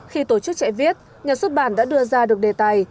khi tổ chức chạy viết nhà xuất bản đã đưa ra được đề tài